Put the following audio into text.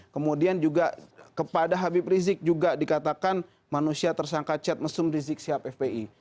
kemudian juga kepada habib rizik juga dikatakan manusia tersangka chat mesum rizik sihab fpi